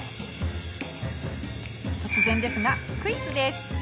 突然ですがクイズです。